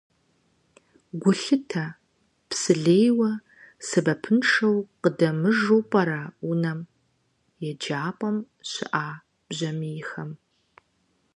Гу лъытэ, псы лейуэ, сэбэпыншэу къыдэмыжу пӀэрэ унэм, еджапӀэм щыӀэ бжьамийхэм.